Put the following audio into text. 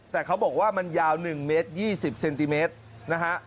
แต่เขาบอกว่ามันยาวหนึ่งเมตรยี่สิบเซนติเมตรนะฮะ